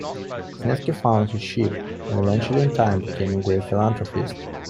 Snetsky found his sheep, and eventually in time became a great philanthropist.